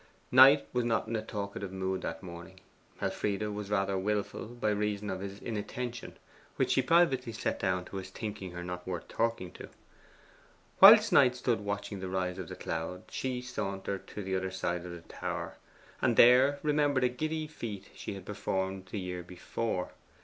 Knight was not in a talkative mood that morning. Elfride was rather wilful, by reason of his inattention, which she privately set down to his thinking her not worth talking to. Whilst Knight stood watching the rise of the cloud, she sauntered to the other side of the tower, and there remembered a giddy feat she had performed the year before.